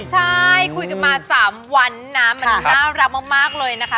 ใช่คุยกันมา๓วันนะมันน่ารักมากเลยนะคะ